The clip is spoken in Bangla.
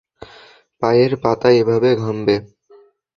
পায়ের পাতা এভাবে ঘামবে।